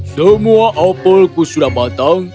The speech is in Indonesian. semua apelku sudah batang